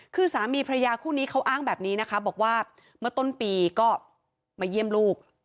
คือสามีพระยาคู่นี้เขาอ้างแบบนี้นะคะบอกว่าเมื่อต้นปีก็มาเยี่ยมลูก